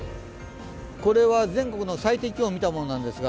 これは全国の最低気温を見たものですが、